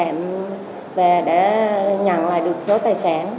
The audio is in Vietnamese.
hẹn về để nhận lại được số tài sản